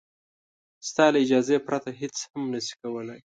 ستا له اجازې پرته هېڅ هم نه شي کولای.